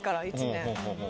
１年。